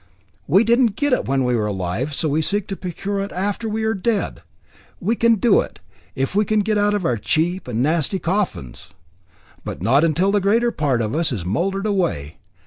We didn't get it when we were alive, so we seek to procure it after we are dead. We can do it, if we can get out of our cheap and nasty coffins. But not till the greater part of us is mouldered away.